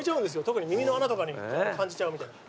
特に耳の穴とかに感じちゃうみたいな。